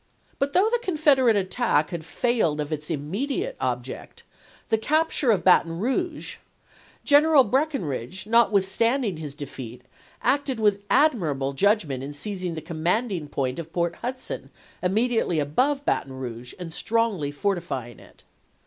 But though the Confederate attack had failed of its immediate object, the capture of Baton Rouge, General Breck inridge, notwithstanding his defeat, acted with ad mirable judgment in seizing the commanding point of Port Hudson, immediately above Baton Rouge, and strongly fortifying it.